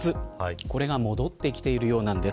これが戻ってきているようなんです。